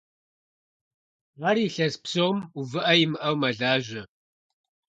Ar yilhes psom vuvı'e yimı'eu melaje.